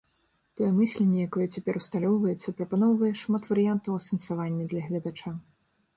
Тое мысленне, якое цяпер усталёўваецца, прапаноўвае шмат варыянтаў асэнсавання для гледача.